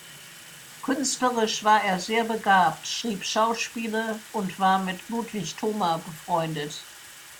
Künstlerisch war er sehr begabt, schrieb Schauspiele und war mit Ludwig Thoma befreundet.